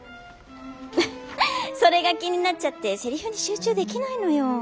ウフッそれが気になっちゃってせりふに集中できないのよ。